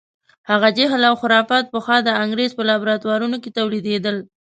هغه جهل او خرافات پخوا د انګریز په لابراتوارونو کې تولیدېدل.